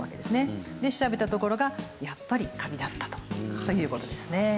で調べたところがやっぱりカビだったという事ですね。